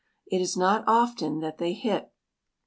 It is not often that they hit.